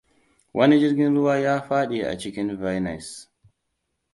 Wani jirgin ruwa ya fadi a cikin Venice.